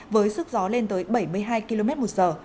với sức gió lên tới bảy mươi hai km một giờ